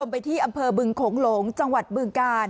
ไปที่อำเภอบึงโขงหลงจังหวัดบึงกาล